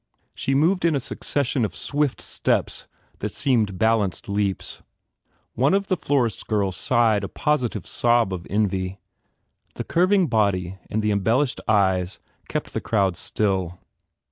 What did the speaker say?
She moved in a succession of swift steps that seemed balanced leaps. One of the florist s girls sighed a positive sob of envy. The curving body and the embellished eyes kept the crowd still.